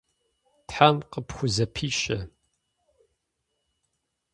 Тхьэм къыпхузэпищэ.